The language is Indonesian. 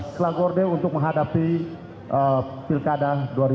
selanggorde untuk menghadapi pilkada dua ribu tujuh belas